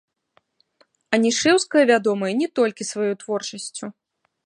Анішэўская вядомая не толькі сваёй творчасцю.